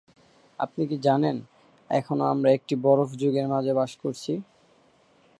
আপনি কি জানেন, এখনও আমরা একটি বরফ যুগের মাঝে বাস করছি?